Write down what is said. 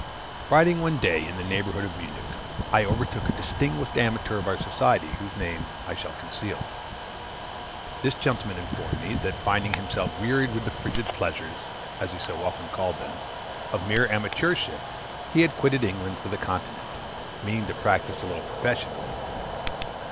Riding one day in the neighborhood of Munich, I overtook a distinguished amateur of our society, whose name I shall conceal. This gentleman informed me that, finding himself wearied with the frigid pleasures (so he called them) of mere amateurship, he had quitted England for the continent meaning to practise a little professionally.